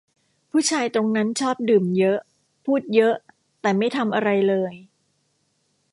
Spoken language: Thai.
ผู้ชายตรงนั้นชอบดื่มเยอะ พูดเยอะ แต่ไม่ทำอะไรเลย